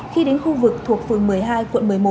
khi đến khu vực thuộc phường một mươi hai quận một mươi một